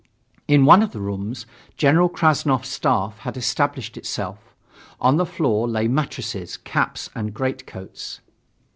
In one of the rooms General Krassnov's staff had established itself. On the floor lay mattresses, caps and greatcoats.